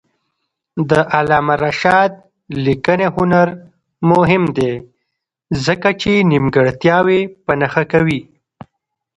د علامه رشاد لیکنی هنر مهم دی ځکه چې نیمګړتیاوې په نښه کوي.